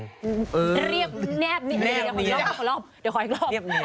เดี๋ยวขออีกรอบ